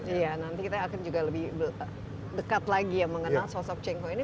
iya nanti kita akan juga lebih dekat lagi ya mengenal sosok cheng ho ini